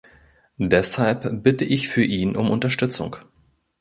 Deshalb bitte ich für ihn um Unterstützung.